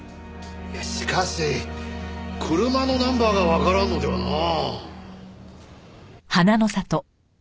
いやしかし車のナンバーがわからんのではなあ。